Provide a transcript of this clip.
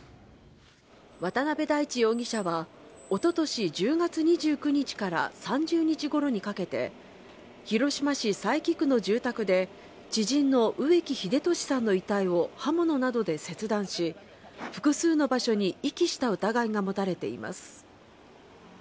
渡部大地容疑者はおととし１０月２９日から３０日ごろにかけて広島市佐伯区の住宅で知人の植木秀俊さんの遺体を刃物などで切断し複数の場所に遺棄した疑いが持たれています。